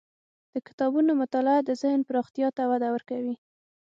د کتابونو مطالعه د ذهن پراختیا ته وده ورکوي.